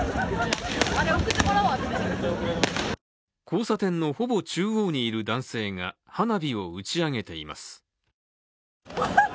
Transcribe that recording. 交差点のほぼ中央にいる男性が花火を打ち上げています。